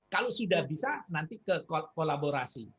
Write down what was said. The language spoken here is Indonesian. kalau sudah bisa nanti kekolaborasi